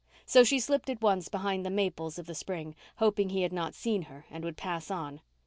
So she slipped at once behind the maples of the spring, hoping he had not seen her and would pass on.